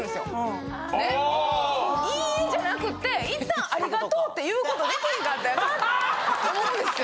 「いいえ」じゃなくて一旦「ありがとう」っていうことできへんかったんやなって思うんですよ